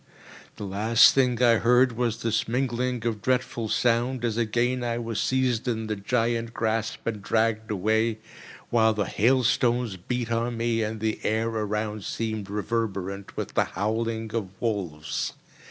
The last thing I heard was this mingling of dreadful sound, as again I was seized in the giant grasp and dragged away, while the hailstones beat on me, and the air around seemed reverberant with the howling of wolves.